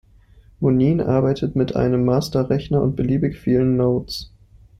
Munin arbeitet mit einem Master-Rechner und beliebig vielen Nodes.